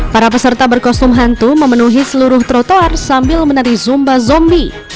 para peserta berkostum hantu memenuhi seluruh trotoar sambil menari zumba zombie